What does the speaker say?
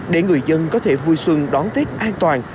để người dân có thể vui xuân đón tết an toàn